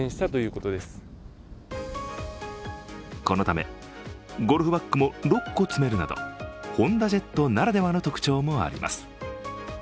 このため、ゴルフバッグも６個積めるなどホンダジェットならではの特徴もあります。